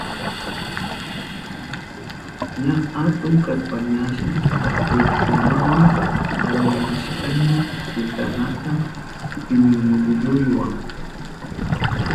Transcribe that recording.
Ña atun kashpañashi pukunawa kallarishkaña shitanata pinkulluwa.